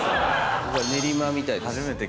ここは練馬みたいです。